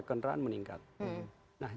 kendaraan meningkat nah